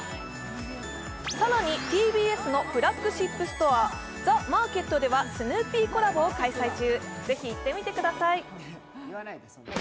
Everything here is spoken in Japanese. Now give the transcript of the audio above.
更にＴＢＳのフラッグシップストアＴＨＥＭＡＲＫＥＴではスヌーピーコラボを開催中。